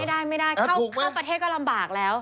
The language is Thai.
ไม่ได้ไม่ได้เข้าประเทศก็ลำบากแล้ว